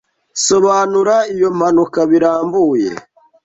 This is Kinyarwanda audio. Sobanura iyo mpanuka birambuye.